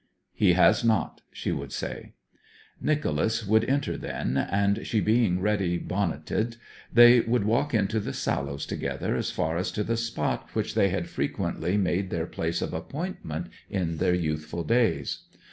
'He has not,' she would say. Nicholas would enter then, and she being ready bonneted, they would walk into the Sallows together as far as to the spot which they had frequently made their place of appointment in their youthful days.